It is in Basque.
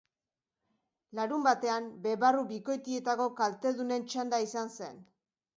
Larunbatean bebarru bikoitietako kaltedunen txanda izan zen.